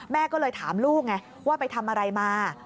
แม่ก็เลยถามลูกไงว่าไปทำอะไรมา